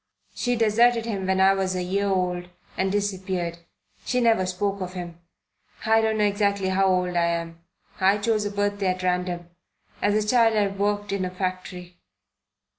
She deserted him when I was a year old and disappeared; she never spoke of him. I don't know exactly how old I am. I chose a birthday at random. As a child I worked in a factory.